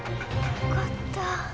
よかった。